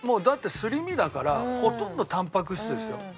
だってすり身だからほとんどたんぱく質ですよ。